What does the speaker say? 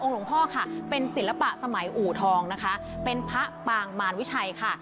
หลวงพ่อค่ะเป็นศิลปะสมัยอู่ทองนะคะเป็นพระปางมารวิชัยค่ะ